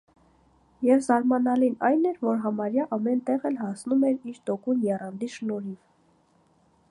Եվ զարմանալին այն էր, որ համարյա ամեն տեղ էլ հասնում էր իր տոկուն եռանդի շնորհիվ: